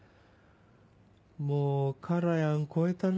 もうカラヤン超えたな。